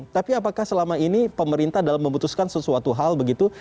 tapi apakah selama ini pemerintah dalam memutuskan sesuatu hal begitu